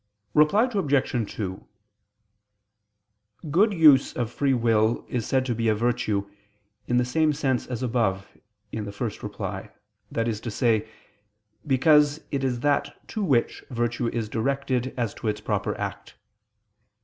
Reply Obj. 2: Good use of free will is said to be a virtue, in the same sense as above (ad 1); that is to say, because it is that to which virtue is directed as to its proper act.